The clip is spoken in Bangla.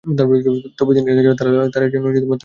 তবে তিনি চাচ্ছিলেন, তারা যেন তাঁকে চিনতে না পারে।